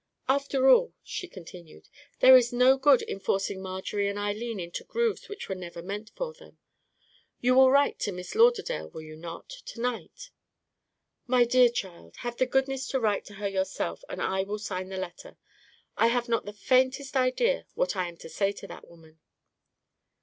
"After all," she continued, "there is no good in forcing Marjorie and Eileen into grooves which were never meant for them. You will write to Miss Lauderdale, will you not, to night?" "My dear child, have the goodness to write to her yourself, and I will sign the letter. I have not the faintest idea what I am to say to that woman."